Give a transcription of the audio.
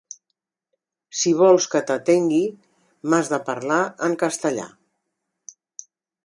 “Si vols que t’atengui, m’has de parlar en castellà”.